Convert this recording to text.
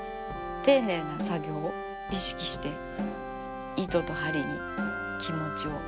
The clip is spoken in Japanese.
丁寧な作業を意識して糸と針に気持ちを。